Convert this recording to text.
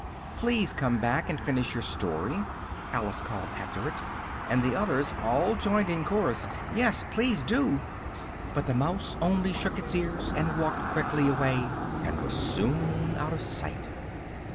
"Please come back and finish your story!" Alice called after it, and the others all joined in chorus "yes, please do!" but the mouse only shook its ears, and walked quickly away, and was soon out of sight.